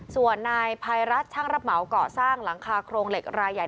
ส่วนนายภัยรัฐช่างรับเหมาก่อสร้างหลังคาโครงเหล็กรายใหญ่